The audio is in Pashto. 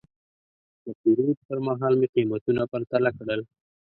د پیرود پر مهال مې قیمتونه پرتله کړل.